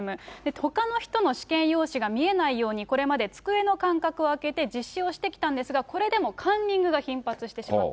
ほかの人の試験用紙が見えないように、これまで机の間隔を空けて実施をしてきたんですが、これでもカンニングが頻発してしまった。